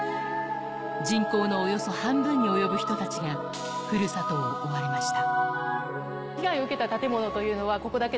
人口のおよそ半分に及ぶ人たちが、ふるさとを追われました。